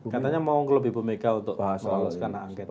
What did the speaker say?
katanya mau ke lobby bumega untuk menguruskan angket